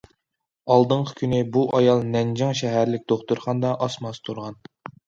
ئالدىنقى كۈنى، بۇ ئايال نەنجىڭ شەھەرلىك دوختۇرخانىدا ئاسما ئاستۇرغان.